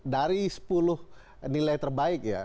dari sepuluh nilai terbaik ya